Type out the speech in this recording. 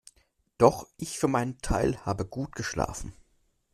Doch, ich für meinen Teil, habe gut geschlafen.